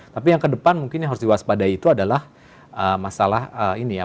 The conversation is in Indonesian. tapi yang kedepan mungkin yang harus diwaspadai itu adalah masalah ini ya